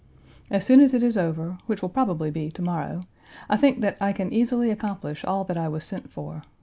As soon as it is over, which will probably be to morrow, I think that I can easily accomplish all that I was sent for.